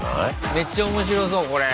めっちゃ面白そうこれ。